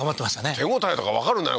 手応えとかわかるんだね